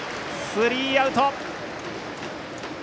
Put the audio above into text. スリーアウト。